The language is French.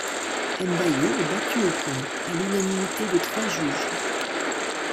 M'Baye est battu aux points à l'unanimité des trois juges.